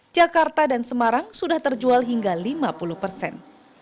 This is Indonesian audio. jakarta dan semarang sudah terjual hingga lima puluh persen